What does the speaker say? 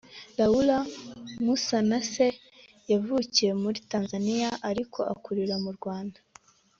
Laura Musanase yavukiye muri Tanzania ariko akurira mu Rwanda